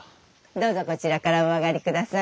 どうぞこちらからお上がりください。